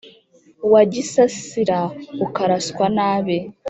wagisasira ukaraswa nabi